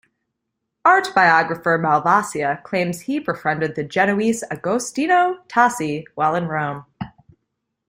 Art biographer Malvasia claims he befriended the Genoese Agostino Tassi while in Rome.